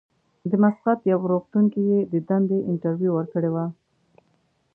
د مسقط یوه روغتون کې یې د دندې انټرویو ورکړې وه.